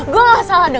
gue perhatian sama lo